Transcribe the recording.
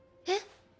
え？